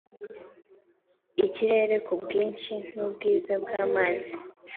ikirere ku bwinshi n ubwiza bw amazi